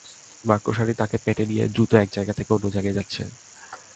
মাকড়সাটা তাঁকে পেটে নিয়ে দ্রুত এক জায়গা থেকে অন্য জায়গায় যাচ্ছে।